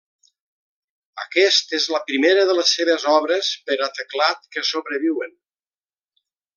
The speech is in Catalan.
Aquest és la primera de les seves obres per a teclat que sobreviuen.